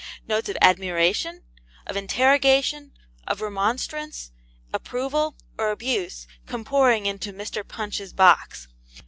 Notes of admiration (!), of interrogation (?), of remonstrance, approval, or abuse, come pouring into MR. PUNCH'S box.